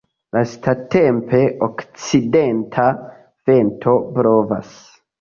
Lastatempe okcidenta vento blovas.